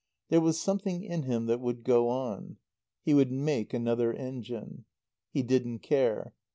There was something in him that would go on. He would make another engine. He didn't care.